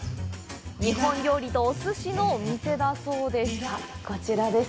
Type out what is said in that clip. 日本料理とおすしのお店だそうです。